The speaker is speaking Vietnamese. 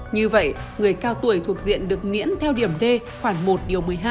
như vậy người cao tuổi thuộc diện được miễn theo điểm d khoản một điều một mươi hai